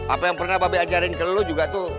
apa yang pernah babe ajarin ke lo juga tuh